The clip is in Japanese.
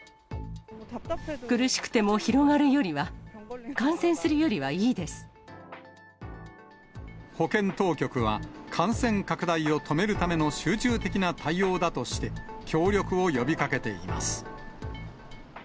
苦しくても、広がるよりは、保健当局は、感染拡大を止めるための集中的な対応だとして、協力を呼びかけています。